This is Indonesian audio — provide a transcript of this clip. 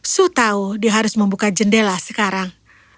su tahu dia harus membuka jendela sekarang